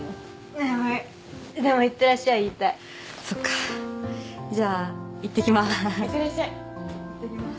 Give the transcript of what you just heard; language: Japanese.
眠いでもいってらっしゃい言いたいそっかじゃあいってきまーすいってらっしゃいいってきます